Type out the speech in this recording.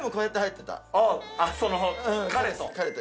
その彼と。